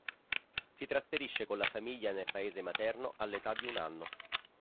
Si trasferisce con la famiglia nel paese materno all'età di un anno.